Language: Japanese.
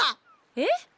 えっ！？